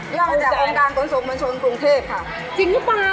เราเป็นยอดมนุษย์ป้า